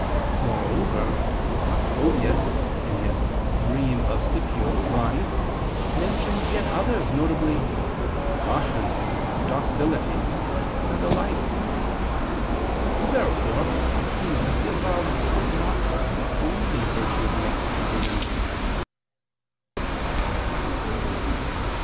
Moreover, Macrobius (Super Somn. Scip. 1) mentions yet others: viz. "caution, docility," and the like. Therefore it seems that the above are not the only virtues annexed to prudence.